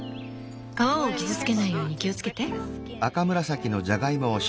皮を傷つけないように気をつけて。